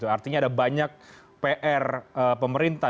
artinya ada banyak pr pemerintah